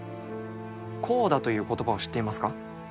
コーダという言葉を知っていますか？